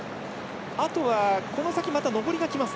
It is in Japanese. あとは、この先また上りがきます。